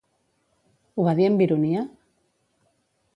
Ho va dir amb ironia?